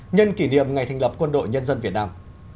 nhân kỷ niệm ngày thành lập quân đội nhân dân việt nam